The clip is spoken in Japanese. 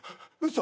嘘？